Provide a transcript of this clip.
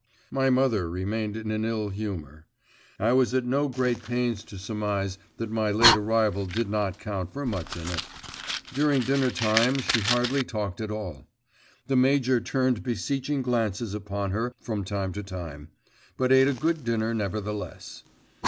My mother remained in an ill humour. I was at no great pains to surmise that my late arrival did not count for much in it. During dinner time she hardly talked at all. The major turned beseeching glances upon her from time to time, but ate a good dinner nevertheless.